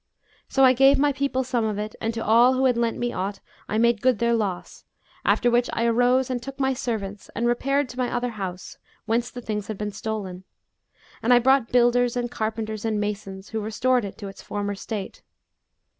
So I gave my people some of it and to all who had lent me aught I made good their loss, after which I arose and took my servants and repaired to my other house whence the things had been stolen; and I brought builders and carpenters and masons who restored it to its former state.